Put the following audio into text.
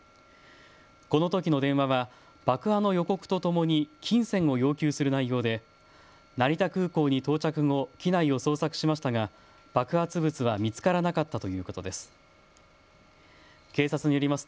このときの電話は爆破の予告とともに金銭を要求する内容で成田空港に到着後、機内を捜索しましたが爆発物は見つからなかったということです。